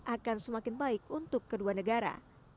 akan semakin baik untuk kedua negara